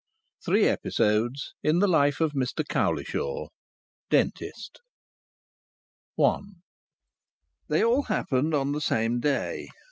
THREE EPISODES IN THE LIFE OF MR COWLISHAW, DENTIST I They all happened on the same day.